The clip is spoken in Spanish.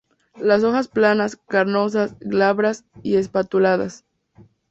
Las hojas planas, carnosas, glabras y espatuladas.